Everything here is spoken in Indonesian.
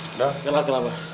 udah ya lah ke abah